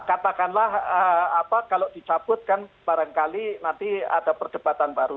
katakanlah kalau dicabut kan barangkali nanti ada perdebatan baru